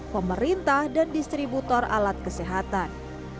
pemerintah dan distributor alat kesehatan